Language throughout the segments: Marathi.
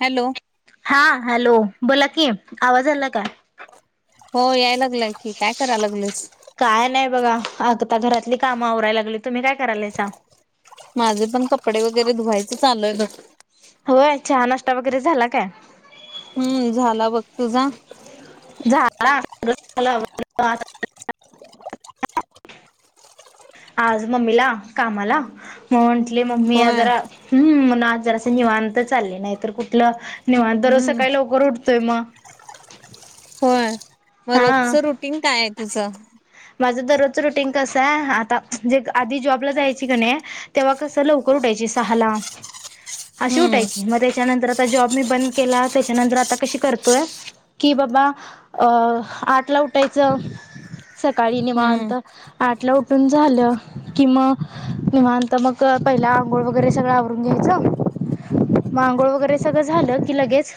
हॅलो हा हॅलो बोला की आवाज आला काय हो याय लागलं की काय करा लागलस काय नाही बघा आगता घरातली कामं आवरायला लागली तुम्ही काय करालायचा माझे पण कपडे वगैरे धुवायचे चालय होय चहा नाष्ट्ता वगैरे झाला काय ला बघ तुझा [unintelligible] आज मम्मीला कामाला मग म्हटले मम्मी होय जरा् हम्म आज जरा निवांत चालले नाही तर कुठलं निवांत दररोज हम्म सकाळी लवकर उठतोय म होय मग हा रोजचं रुटीन काय आहे तुझं? माझं दररोजचं रुटीन कसंय आता जे आधी जॉबला जायची कनी तेव्हा कस लवकर उठायची सहाला अशी हम्म उठायची म त्याच्यानंतर आता जॉब मी बंद केला त्याच्यानंतर आता कशी करतोय कि बाबा अ आटला उठायचं सकाळी हम्म निवात आटला उठ झालं कि म निवांत मग पहिला आंघोळ वगैरे सगळं आवरून घ्यायचं म अंघोळ वगैरे सगळं झालं की लगेच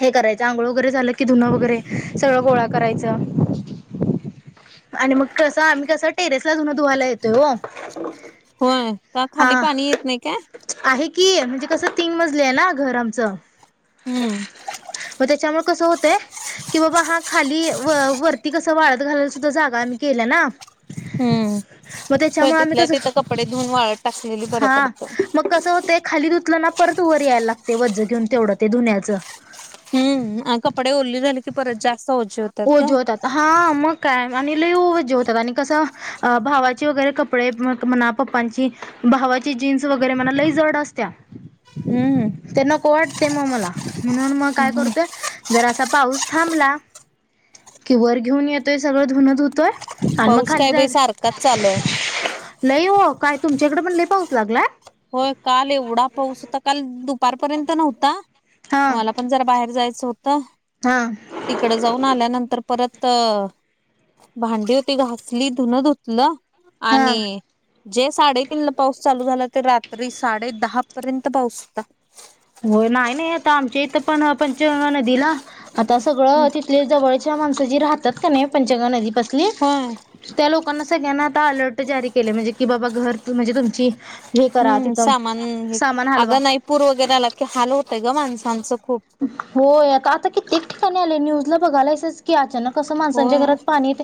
हे करायचं आंघोळ वगैरे झालं की धुनं वगैरे सगळं गोळा करायचं आणि मग कसं आम्ही कसं टेरेसला धून धुवायला येत ओ होय का खाली पाणी येत नाई काय. आहे की म्हणजे कसं तीन मजली आहे ना घर आमचं. हम्म म त्याच्यामुळे कस होतय की बाबा हा खाली व वरती कस वाळत घाल सुद्धा जागा आम्ही केल्या ना हम्म मग होय त्याच्यामुळे आम्ही तिथल्या कसं तिथं कपडे धुऊन वाळत टाकलेली बर हा पडतंय. मग कसं होतंय खाली धुतलं ना परत वर याय लागतय वज घेऊन तेवढं ते धुण्याचं. हम्म अ कपडे ओल्ली झाली की परत जास्त ओझी हो ओझी होत्यात हा मग काय आणि लई ओझी होत्यात आणि कसं भावाची वगैरे, कपडे मोत मनाप [unintelligible] पप्पांची, भावाची जीन्स वगैरे म्हणा लई जड असत्या. हम्म. ते नको हेत ते म मला वाटतय म मला म्हणून, म काय करतोय जर असा पाऊस थांबला कि वर घेऊन येतोय सगळं धुन धुतोय आणि मग पाऊस खाली काय बाई जायच सारखाच चालू आहे [unintelligible] लई ओ काय तुमच्याइकड पण लई पाऊस लागलाय? होय काल एवढा पाऊस, होता काल दुपारपर्यंत नव्हता हा मला आपण जरा बाहेर जायचं होत. हा. तिकड जाऊन आल्यानंतर परत अ भांडी होती घासली धुनं धुतलं. हा. आणि जे साडेतीन ला पाऊस चालू झाला. तर रात्री साडे दहा पर्यंत पाऊस होता. होय नाही नाही आता आमच्या, इथं पण पंचगंगा नदीला आता सगळं तिथले जवळचे त्या माणसं जी राहत्यात कनी पंचगंगा नदी पसली होय. त्या लोकांना सगळ्यांना, आता अलर्ट जारी केलय म्हणजे कि बाबा घर त म्हणजे तुमची हे करा हम्म तिथं सामान सामान हलवा. अगं नाही पूर वगैरे, आला की हाल होतय ग माणसांचं खूप. होय आता आता कित्येक ठिकाणी. आलय न्यूजला बघायलायस की अचानक कस माणसांच्या होय घरात पाणी त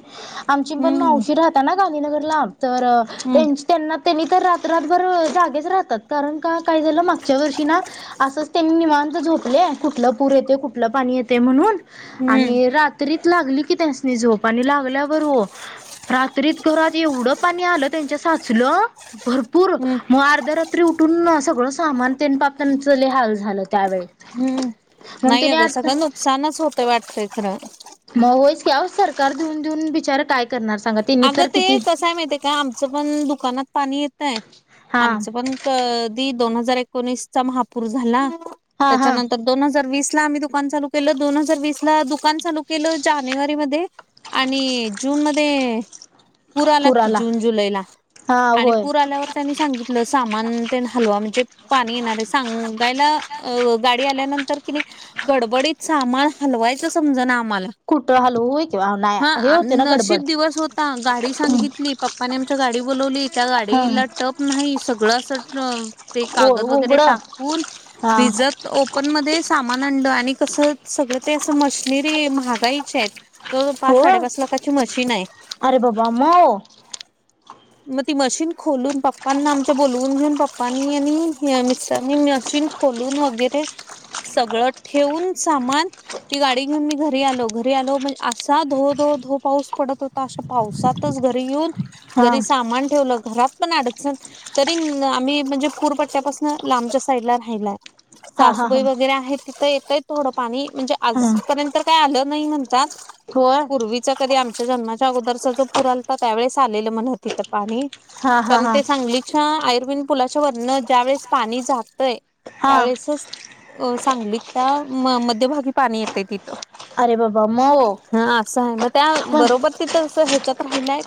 आमची पण हम्म मावशी राहता ना, गांधीनगरला तर हम्म त्यांच त्यांना त्यांनी तर रात्र रात्रभर जागेच राहतात. कारण का काय झालं मागच्या वर्षी ना, असंच त्यांनी निवांत झोपले कुठला पूर येतय कुठलं पाणी येते म्हणून हम्म आणि रात तरी त लागली की त्यांसनी झोप आणि लागल्यावर ओ रात्रीत घरात एवढं पाणी आलं त्यांच्या साचलं भर पुूर हम्म म अर्ध्या रात्री उठून सगळं, सामान तेन पाप त्यांच लय हाल झालं त्यावेळी. हम्म म्हणून नाही त्याने अगं आता सगळं नुकसानच होतंय वाटतंय खरं. म होय की आवो सरकार देऊन, देऊन बचार काय करणार सांगा? त्यांनी अगं तर ते किती कसंय माहिते का आमचं, पण दुकानात पाणी येतय हा आमचं पण. त दी दोन हजार एकोणीसचा, महापूर झाला हा हा त्याच्यानंत तर दोन हजार वीस ला आम्ही दुकान चालू, केलं दोन हजार वीस ला दुकान चालू केलं जानेवारी मध्ये. आणि जून मध्ये पुरा आला की पुराला जून, जुलैला हा आणि होय पुर आल्यावर त्यांनी सांगितलं सामान त्यांन हलवा म्हणजे, पाणी येणार आहे सांगायला, अ गाडी आल्यानंतर कि नाही गडबडीत सामान हलवायच समज ना, आम्हाला. कुठं हलवूय किंवा नाया हे होते ना, गडबड आण गाडी सांगितली पप्पाने, आमच्या गाडी बोलावली त्या हा गाडीला [unintelligible] टप नाही सगळ अस ते कागद वगैरे, उघड टाकून हा भिजत ओप आपण मध्ये सामान आणल आणि कसं सगळं ते असं मशनेरी हे. महागाईच्या आहेत. तो पाच हो साडेपाच लाखाची मशीन आहे. अरे बाबा म वो म ती मशीन खोलून पप्पांना आमच्या बोलवून घेऊन पप्पानी यांनी आणि ह्या [unintelligible] मीस्टानी मशीन खोलून वगैरे सगळं ठेवून सामान ती गाडी घेऊन मी घरी आलो, घरी आलो म्हणजे, असा धो धो धो पाऊस पडत होता आश पावसातच घरी येऊन हा घरी सामान ठेवल. घरात पण अडकण तरी आम्ही म्हणजे पूरपट्ट्या पासून लांबच्या साईडला राहिलाय. हा हा सासूबाई हा वगैरे, आहे तिथं येतय थोडं पाणी म्हणजे आज हा पर्यंत काय आलं नाही म्हणतात. होय. पूर्वीच कधी आमच्या जन्माच्या अगदरचा जो पुर अल्ता त्यावेळेस आलेलं म्हण तिथ. पाणी हा हा कारण हा ते सांगलीच्या आयर्वीन पुलाच्या वरनं ज्या वेळेस पाणी जातय हा त्यावेळेसच सांगली त्या म मध्यभागी पाणी येतय ति अरे बाबा मऊ हा असं आहे मग त्या मग बरोबर तिथ ह्याच्यात राहिलय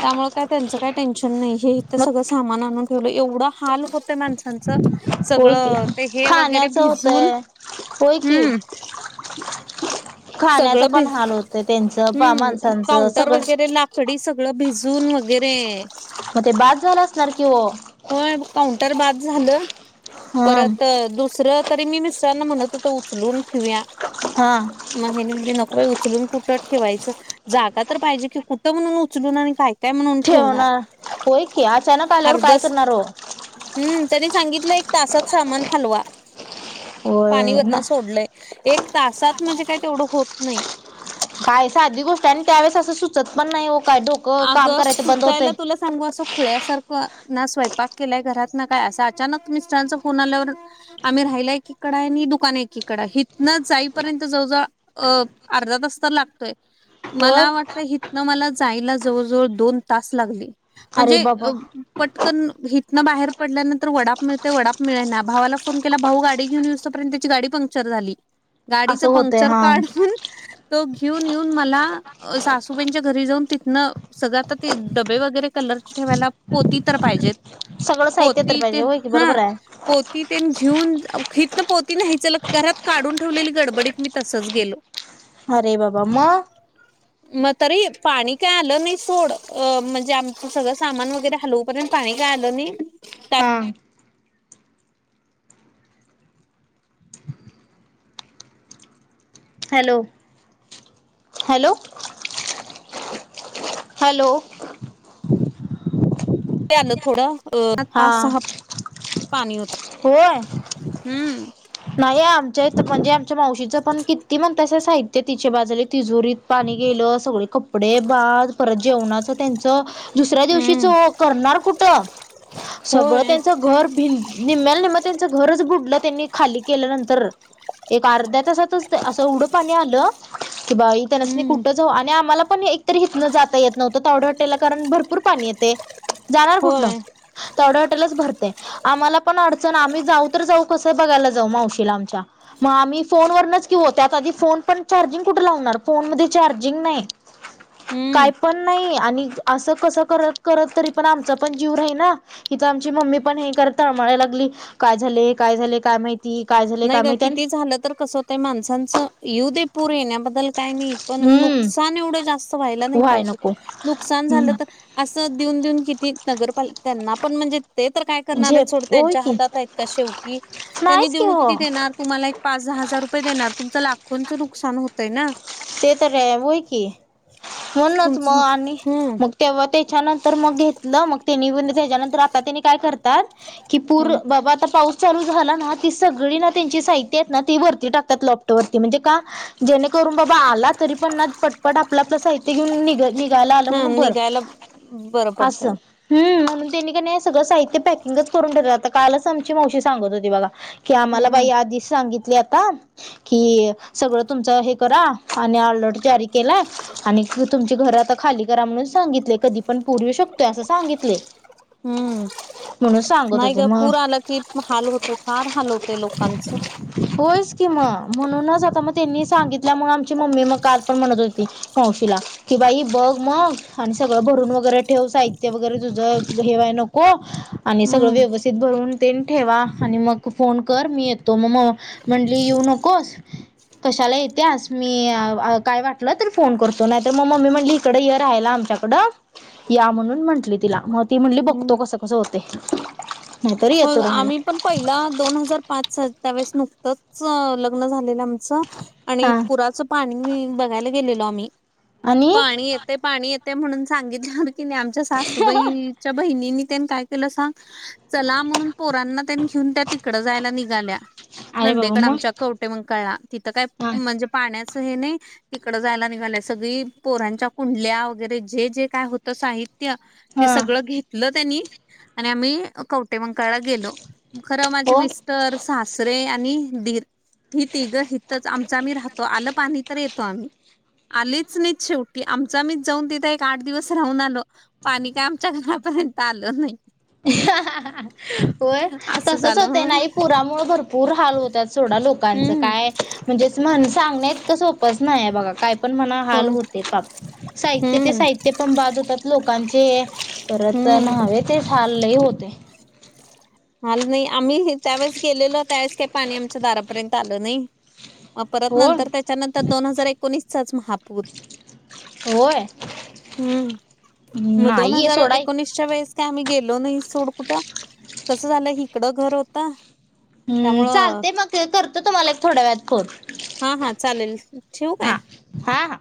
त्यामुळे काय त्यांचं काही टेन्शन नाही हे इथं सगळं सामान आणून ठेवलं एवढं हाल होतं माणसांचं. होय की सगळं ते हे वगैरे खाण्याचं भिजून होतय होय की हम्म सगळ खाण्याचं भी पण हाल होतय त्यांचं हम्म माणसांचं काउंटर सगळं वगैरे ला सडी सगळं भिजून वगैरे मग ते बाद झालं असणार की ओ? होय काउंटर बाद झालं हा परत दुसरं तरी मी मिस्टरांना म्हणत होत उचलून ठेवया हा म हेनी म्हणले नको बाई उचलून कुठं ठेवायचं जागा तर पाहिजे की कुठं म्हणून उचलून आणि काय काय म्हणून ठेवणार होय की अचानक आल्यावर काय अर्धच करणार ओ? हम्म त्यांनी सांगितलं एक तासात सामान हलवा. होय ना पाणीवरन सोडलंय एक तासात म्हणजे काही तेवढं होत नाही. काय साधी गोष्ट आहे आणि त्यावेेळेस असं सुचत पण नाही हो काय डोकं काम अगं करायचं बंद होतय. सुचायला तुला सांगू असं खुळ्यासारखं ना स्वयंपाक केलाय घरात ना काय असं अचानक मिस्टरांचा फोन आल्यावर आम्ही राहिला एकीकड आहे आणि दुकान एकीकड हिथनं जाईपर्यंत जवळजवळ अ अर्धा तास तर लागतोय. होय मला वाटतं हथनं मला जायला जवळ जवळ दोन तास लागले. अरे म्हणजे अ बाबा पटकन हथनं बाहेर पडल्यानंतर वडाप मिळते वडाप मिळेना भावाला फोन केला भाऊ गाडी घेऊन येऊस र्यंत त्याची गाडी पंक्चर झाली असं गाडीचं होतंय पंक्चर हा काढून तो घेऊन येऊन मला सासूबाईच्या घरी जाऊन तिथनं सगळं आता ते डबे वगैरे कलरची ठेवायला पोती तर पाहिजेत. सगळं साहित्य तर पोती पाहिजे तेन होय की हा. बरोबर आहे पोती ते घेऊन हितन पोती नाही चला घरात काढून ठेवलेली गडबडीत मी तसच गेलो. अरे बाबा म? मग तरी पाणी काय आलं नाही. सोड म्हणजे आमच सगळ सामान वगैरे हलवू पर्यंत पाणी काय आलं नाही टा हा. हॅलो हॅलो हॅलो आलं थोडं हा पाच सहा पाणी होत होय हम्म नाही आमच्या इथ म्हणजे आमच्या मावशीचं पण किती म्हणतास साहित्य तिच्या बाजूले तिजोरीत पाणी गेलं सगळे कप् कपडे बाद परत जेवणाच त्यांच दुसऱ्या दिवशीच हम्म करणार कुठं? सगळं होय त्यांच घर भ निमल नि्म त्यांचं घरच बुडलं त्यांनी खाली केल्यानंतर. एक अर्ध्या तासातच असं एवढं पाणी आलं की बाई त्यानाच हम्म कुठ आणि आम्हाला पण एकतरी हितन जाता येत नव्हतं तवडे हॉटेलला कारण भरपूर पाणी येते. जाणार कुठन होय तावडे हॉटेलच भरतय. आम्हाला पण अडचण आम्ही जाऊ तर जाऊ कसं बघायला जाऊ मावशीला आमच्या? मग आम्ही फोनवरच की ओ त्यात आधी फोन पण चार्जिंग कुठे लावणार फोन मध्ये चार्जिंग नाही. [inaudible] हम्म काय पण नाही आणि असं कस करत करत तरी पण आमचा पण जीव राही ना. हित आमची मम्मी पण हे करत तळमळाला लागली काय झाले काय झाले काय माहि ती काय झा नाही ग किती झालं तर कसं होतय माणसांचं येऊ देे पूर येण्याबद्दल काय नाही. पण हम्म नुकसान एवढं जास्त व्हायला नाही व्हाय पाहिजे नको नुकसान झालं हम्म तर असं देऊन देऊन किती नगरपाल त्यांना पण म्हणजे ते तर काय करणार आहेत झेप थोड होय त्यांच्या की हातात आहेत का शेवटी त्यांनी नाहीच की देऊन हो किती तुम्हाला एक पाच दहा हजार रुपये देणार तुमचं लाखोंचं नुकसान होतंय ना ते तर होय की म्हणूनच तुमच मग आणि हम्म मग तेव्हा त्याच्यानंतर मग घेतलं मग तेनी त्याच्यानंतर आता त्यांनी काय करतात की पूर हम् बाबा आता पाऊस चालू झाला ना ती सगळी ना त्यांची साहित्य आहेत ना ती वरती टाकतात लॉपटॉ वरती म्हणजे का जेणेकरून बाबा आला तरी पण ना पटपट आपलं आपलं साहित्य घेऊन निघ घायला आलं हा म्हणून बर निघायला बरं अस पडतंय हम् म्हणून त्यांनी का नाही सगळं साहित्य पॅकिंगच करून ठेवलं आता कालच आमची मावशी सांगत होती बघा कि आम्हाला हम्म बाई आधीच सांगितले आता कि सगळं तुमचं हे करा डर ज केला तुम घ खाली करा म्हणून सांगितले कधी पण पुर येू शकतोय असं सांगितले हम्म म्हणून सांगत नाही होते ग मग पूर आला की हाल होते फार हाल होते लोकांच होयच कि म म्हणूनच आता मग त्यांनी सांगितल्या मग आम ची मम्मी मग काल पण म्हणत होती मावशीला कि बाई बघ मग आणि सगळं भरून वगैरे ठेव साहित्य वगैरे तुझं हेवाय नको आणि सगळं हम्म व्यवस्थित भरून ते ठेवा आणि मग फोन कर मी येतो मग म म्हंणली येऊ नकोस कशाला येतेस मी काय वाटलं तर फोन करतो नाही तर मग मम्मी म्हणली इकडे हे राहाला आमच्याकडं या म्हणून म्हंटली तिला मग ती म्हंली हम्म बघतो कसं कसं होते नाहीतरी हो येतो राहायला आम्ही पण पहिला दोन हजार पाच सवेळेस नुकतंच लग्न झालेलं आमचं आणि हा पुराचं पाणी बघायला गेलेलो आम्ही आणि पाणी येत ते पाणी येते म्हणून सांगितले हो की नाही आमच्या सासूबाई च्या बहिणीनी त्यानी काय केलं सांग चला म्हणून पोरांना त्यांनी घेऊन त्या तिकडं जायला निघाल्या अरे बाबा नंदेकड मग आमच्या कवटे मग कळला तिथं काय हा म्हणजे पाण्याचं हे नाही तिकडं जायला निघालंय सगळी पोरांच्या कुंडल्या वगैरे जे जे काय होत साहित्य त्या ते हा सगळं घेतलं त्यांनी आणि आम्ही कवटे मंकाळला गेलो खरं माझे हो मिस्टर सासरे आणि दीर ही तिघं हथच आमच आम्ही राहतो आलं पाणी तर येतो आम्ही आलीच नाही शेवटी आमचा मीच जाऊन तिथे एक आठ दिवस राहून आल पाणी काय आमच्या घरापर्यंत आलं नाही होय असं तसच झालं होत ना ह पुरामुळ भरपूर भरपूर हाल होतात सोडा लोकांचं हम्म काय म्हणजेच म्हण सांगण्या इतकं सोपंच नाही बघा काय पण म हो हाल होते साहित्य ते हम्म साहित्य ते पण बाजवतात लोकांचे परत हम्म हवे ते ले होते हल नाही आम्ही त्यावेळेस गेलेलो त्यावेळेस काही पाणी आमच्या दारापर्यंत आलो नाही म परत हो नंतर त्याच्यानंतर दोन हजार एकोणीसचाच महापूर होय हम्म मग दोन नाहीये हजार सोडा एकोणीस च्या वेळेस का आ्हीेलो नाही सोड कुठं कसं झालं इकडं घर होत हम् चालते मग करत तुम्हाला एक थोड्या वेळत खोल हा हा चालेल ठेव काय हा